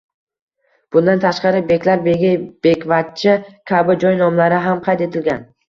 Bundan tashqari Beklar begi, Bekvachcha kabi joy nomlari ham qayd etilgan.